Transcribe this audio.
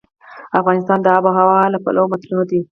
افغانستان د آب وهوا له پلوه متنوع دی.